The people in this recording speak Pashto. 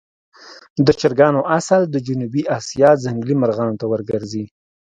د چرګانو اصل د جنوبي آسیا ځنګلي مرغانو ته ورګرځي.